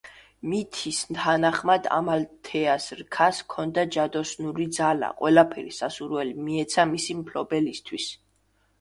მითის თანახმად ამალთეას რქას ჰქონდა ჯადოსნური ძალა, ყველაფერი სასურველი მიეცა მისი მფლობელისთვის.